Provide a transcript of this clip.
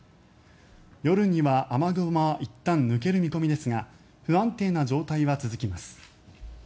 夜には雨雲はいったん抜ける見込みですが不安定な状態は続きます。